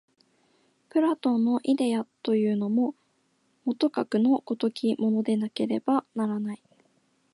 プラトンのイデヤというのも、もとかくの如きものでなければならない。